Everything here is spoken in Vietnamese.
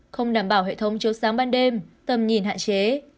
không đảm bảo hệ thống chiếu sáng ban đêm tầm nhìn hạn chế